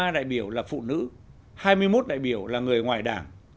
một trăm ba mươi ba đại biểu là phụ nữ hai mươi một đại biểu là người ngoại đảng